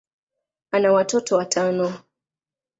ana watoto watano.